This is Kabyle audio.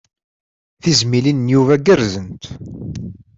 Tizmilin n Yuba gerrzent.